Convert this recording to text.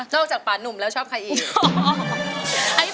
จากป่านุ่มแล้วชอบใครอีก